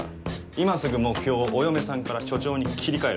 今すぐ目標をお嫁さんから署長に切り替えろ。